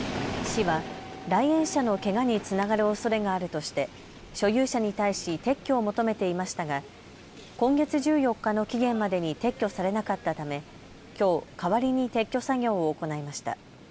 市は来園者のけがにつながるおそれがあるとして所有者に対し撤去を求めていましたが今月１４日の期限までに撤去されなかったためきょう代わりに撤去作業を行いました。